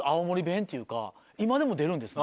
今でも出るんですか？